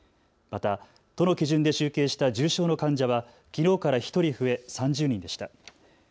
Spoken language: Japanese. また都の基準で集計した重症の患者はきのうから１人増え３０人でした。